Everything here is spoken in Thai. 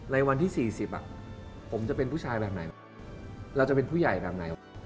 วันที่๔๐ผมจะเป็นผู้ชายแบบไหนเราจะเป็นผู้ใหญ่แบบไหน